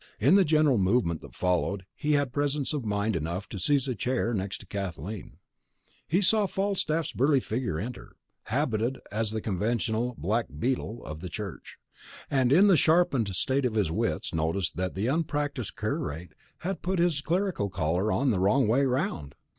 In the general movement that followed he had presence of mind enough to seize a chair next to Kathleen. He saw Falstaff's burly figure enter, habited as the conventional "black beetle" of the church, and in the sharpened state of his wits noticed that the unpractised curate had put on his clerical collar the wrong way round.